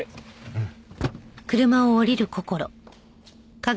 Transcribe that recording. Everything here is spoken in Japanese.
うん。